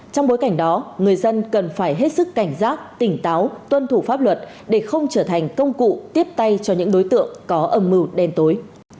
trong bối cảnh đó người dân cần phải hết sức cảnh giác tỉnh táo tuân thủ pháp luật để không trở thành công cụ tiếp tay cho những đối tượng có âm mưu đen tối